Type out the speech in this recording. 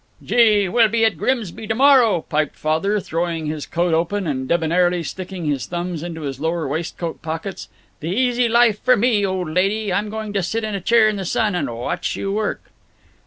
"Gee! we'll be at Grimsby to morrow," piped Father, throwing his coat open and debonairly sticking his thumbs into his lower waistcoat pockets. "The easy life for me, old lady. I'm going to sit in a chair in the sun and watch you work."